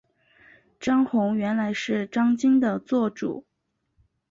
张宏原来是张鲸的座主。